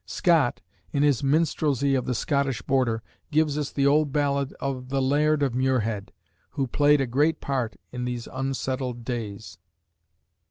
Scott, in his "Minstrelsy of the Scottish Border," gives us the old ballad of "The Laird of Muirhead," who played a great part in these unsettled days.